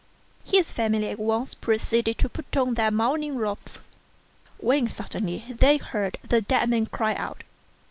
His family at once proceeded to put on their mourning robes, when suddenly they heard the dead man cry out.